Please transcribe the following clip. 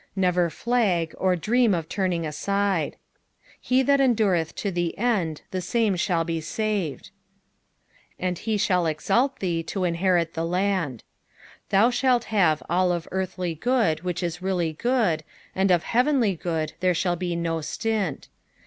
Never flag, or dream of turning aside. " He thst endureth to the end, the same shall be saved." " And he imU e,taU tite to itiAtrit the land." Thou shalt have all of earthly good which is really Cd, and of heavenly good there shall be no stint.